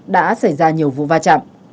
đã xảy ra nhiều vụ va chạm